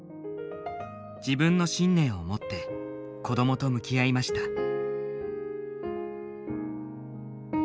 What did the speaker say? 自分の信念を持って子どもと向き合いました。